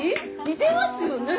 似てますよね！